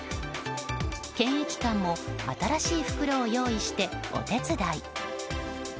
検疫官も新しい袋を用意してお手伝い。